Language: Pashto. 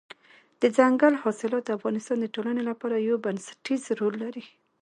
دځنګل حاصلات د افغانستان د ټولنې لپاره یو بنسټيز رول لري.